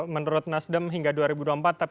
menurut nasdem hingga dua ribu dua puluh empat